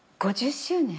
５０周年？